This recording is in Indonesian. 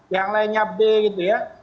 yang lainnya b gitu ya